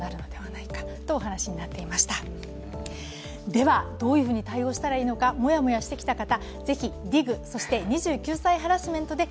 では、どういうふうに対応したらいいのかもやもやしてきた方